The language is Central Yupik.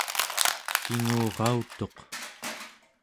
kingurautuq